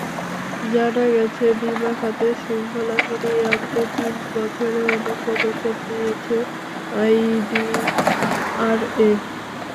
জানা গেছে, বিমা খাতে শৃঙ্খলা ফিরিয়ে আনতে তিন বছরে অনেক পদক্ষেপ নিয়েছে আইডিআরএ।